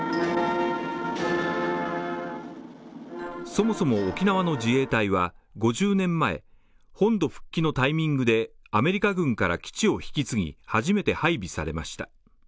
そもそも沖縄の自衛隊は５０年前、本土復帰のタイミングでアメリカ軍から基地を引き継ぎ、初めて配備されました。